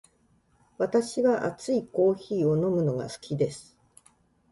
私は熱いコーヒーを飲むのが好きです。